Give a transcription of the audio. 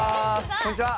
こんにちは！